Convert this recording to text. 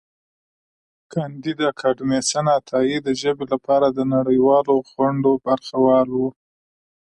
کانديد اکاډميسن عطايي د ژبې لپاره د نړیوالو غونډو برخه وال و.